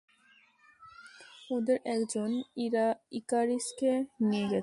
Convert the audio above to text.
ওদের একজন ইকারিসকে নিয়ে গেছে।